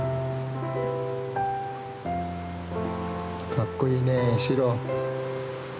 かっこいいねシロ。